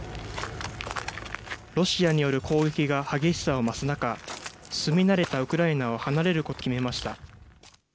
ロシアによる攻撃が激しさを増す中、住み慣れたウクライナを離れることを決めました。